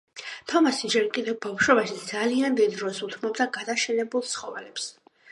თომასი ჯერ კიდევ ბავშვობაში ძალიან დიდ დროს უთმობდა გადაშენებულ ცხოველებს.